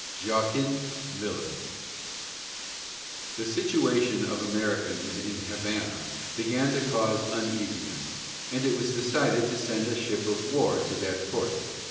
JOAQUIN MILLER. The situation of Americans in Havana began to cause uneasiness, and it was decided to send a ship of war to that port.